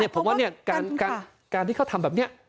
ผมว่าการที่เขาทำแบบนี้